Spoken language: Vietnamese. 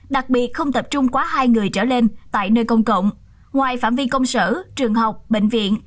đặc biệt không tập trung quá hai người trở lên tại nơi công cộng ngoài phạm vi công sở trường học bệnh viện